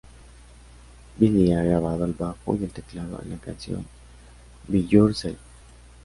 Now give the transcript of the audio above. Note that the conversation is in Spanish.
Billy ha grabado el bajo y el teclado, en la canción "Be Yourself!